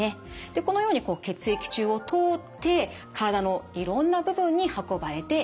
でこのように血液中を通って体のいろんな部分に運ばれていきます。